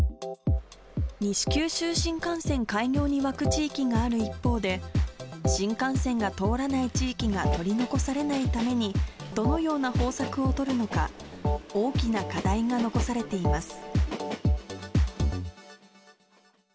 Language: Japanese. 西九州新幹線開業に沸く地域がある一方で、新幹線が通らない地域が取り残されないために、どのような方策を取るのか、大きな課題が残されています。